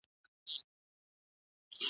هر مضر له خپله اصله معلومیږي .